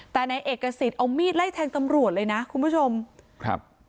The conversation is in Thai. แต่นายเอกสิทธิ์เอามีดไล่แทงตำรวจเลยนะคุณผู้ชมครับ